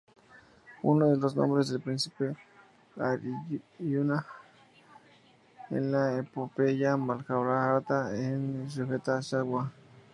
Uno de los nombres del príncipe Áryuna en la epopeya "Majábharata" es Shuetá-ashuá.